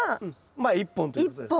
まあ１本ということです。